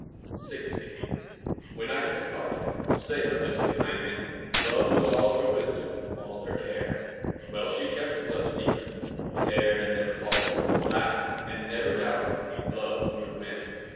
LX When I have departed, Say but this behind me, "Love was all her wisdom, All her care. "Well she kept love's secret,— 5 Dared and never faltered,— Laughed and never doubted Love would win.